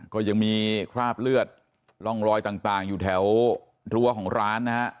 ก็ยังมีคราบเลือดร่องรอยต่างอยู่แถวรั้วของร้านนะฮะ